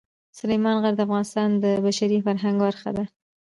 سلیمان غر د افغانستان د بشري فرهنګ برخه ده.